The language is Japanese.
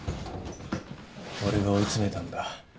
俺が追い詰めたんだ。